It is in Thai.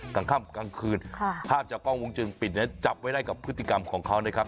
กลางค่ำกลางคืนภาพจากกล้องวงจรปิดเนี่ยจับไว้ได้กับพฤติกรรมของเขานะครับ